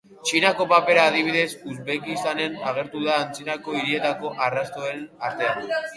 Txinako papera, adibidez, Uzbekistanen agertu da antzinako hirietako arrastoen artean.